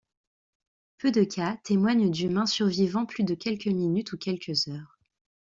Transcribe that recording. Peu de cas témoignent d'humains survivant plus de quelques minutes ou quelques heures.